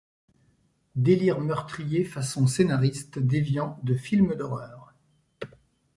Délire meurtrier façon scénariste déviant de film d’horreur.